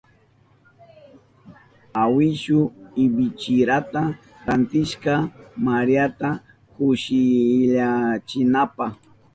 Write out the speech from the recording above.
Awishu ibichirata rantishka Mariata kushillayachinanpa.